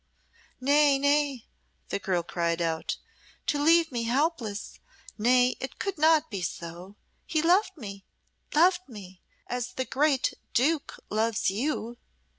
"Nay! nay!" the girl cried out "to leave me helpless. Nay! it could not be so. He loved me loved me as the great duke loves you!"